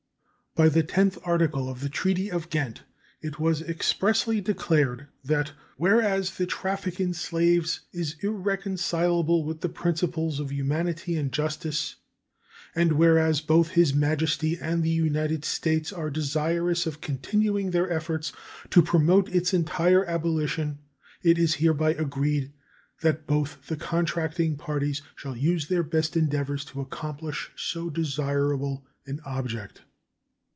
By the tenth article of the treaty of Ghent it was expressly declared that Whereas the traffic in slaves is irreconcilable with the principles of humanity and justice, and whereas both His Majesty and the United States are desirous of continuing their efforts to promote its entire abolition, it is hereby agreed that both the contracting parties shall use their best endeavors to accomplish so desirable an object.